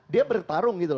dia bertarung gitu